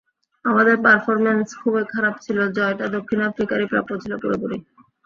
আমাদের পারফরম্যান্স খুবই খারাপ ছিল, জয়টা দক্ষিণ আফ্রিকারই প্রাপ্য ছিল পুরোপুরি।